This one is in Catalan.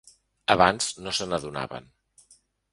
Abans no se n’adonaven.